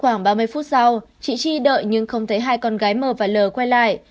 khoảng ba mươi phút sau chị chi đợi nhưng không thấy hai con gái mờ và l quay lại